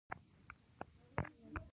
د جنازې لمونځ مو په ده پسې وکړ.